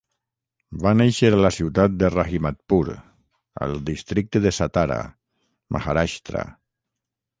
Va néixer a la ciutat de Rahimatpur al districte de Satara, Maharashtra.